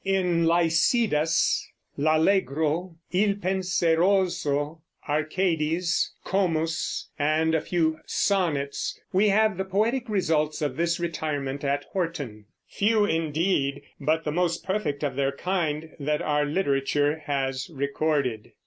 In "Lycidas," "L'Allegro," "Il Penseroso," "Arcades," "Comus," and a few "Sonnets," we have the poetic results of this retirement at Horton, few, indeed, but the most perfect of their kind that our literature has recorded.